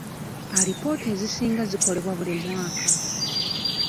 Alipoota ezisinga zikolebwa buli mwaka.